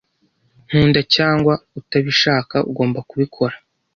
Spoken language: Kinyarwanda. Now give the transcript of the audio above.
Nkunda cyangwa utabishaka, ugomba kubikora.